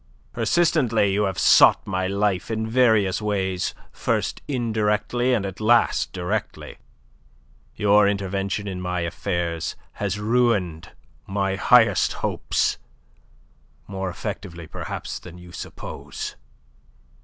Persistently you have sought my life in various ways, first indirectly and at last directly. Your intervention in my affairs has ruined my highest hopes more effectively, perhaps, than you suppose.